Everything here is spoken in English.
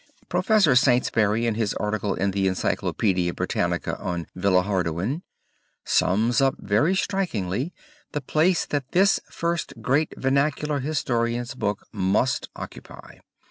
Prof. Saintsbury in his article in the Encyclopedia Britannica on Villehardouin, sums up very strikingly the place that this first great vernacular historian's book must occupy.